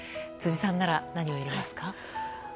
辻さんなら何を入れますか？